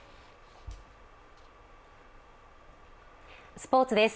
スポーツです。